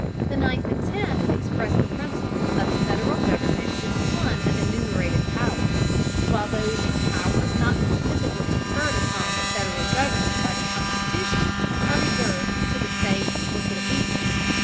The Ninth and Tenth express the principle that the Federal government is one of enumerated powers, while those powers not specifically conferred upon the Federal government by the Constitution are reserved to the states or to the people.